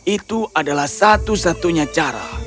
itu adalah satu satunya cara